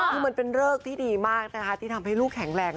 คือมันเป็นเลิกที่ดีมากนะคะที่ทำให้ลูกแข็งแรง